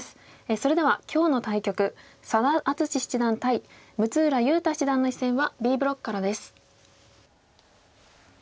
それでは今日の対局佐田篤史七段対六浦雄太七段の一戦はＢブロックからです。